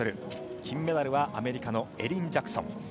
金メダルはアメリカのエリン・ジャクソン。